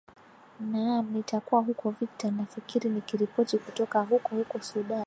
naam nitakuwa huko victor nafikiri nikiripoti kutoka huko huko sudani